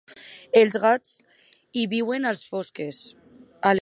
Els gats hi veuen a les fosques.